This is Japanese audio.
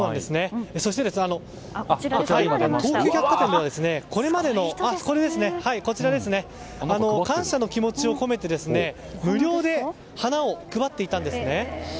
そして、東急百貨店ではこれまでの感謝の気持ちを込めて無料で花を配っていたんです。